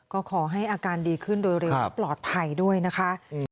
ก็ขอให้อาการดีขึ้นโดยเร็วและปลอดภัยด้วยนะคะ